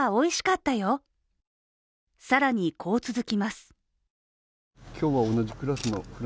更に、こう続きます。